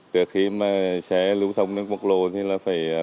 từ khi mà xe lưu thông đến quốc lộ thì là phải lắp cái tầm cấn